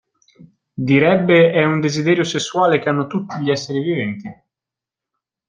Direbbe è un desiderio sessuale che hanno tutti gli esseri viventi.